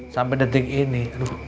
sampai detik ini